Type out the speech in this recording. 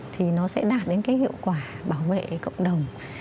thì nó sẽ đạt đến cái hiệu quả bảo vệ cộng đồng